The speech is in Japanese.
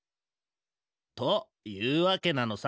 というわけなのさ。